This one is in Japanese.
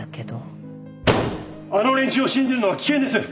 あの連中を信じるのは危険です！